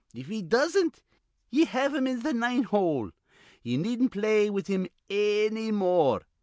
If he doesn't, ye have him in th' nine hole. Ye needn't play with him anny more.